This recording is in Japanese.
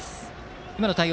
今の対応